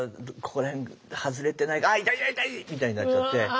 ここら辺外れてないかなあっ痛い痛い痛い！みたいになっちゃって。